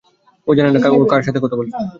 ও জানে না কার সাথে কথা বলছে।